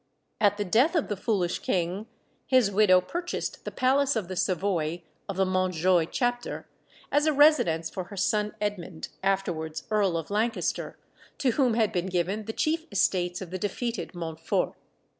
At the death of the foolish king, his widow purchased the palace of the Savoy of the Montjoy chapter, as a residence for her son Edmund, afterwards Earl of Lancaster, to whom had been given the chief estates of the defeated Montfort.